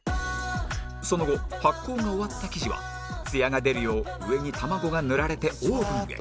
その後発酵が終わった生地はつやが出るよう上に卵が塗られてオーブンへ